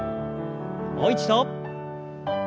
もう一度。